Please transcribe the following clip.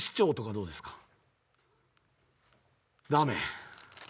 ダメ。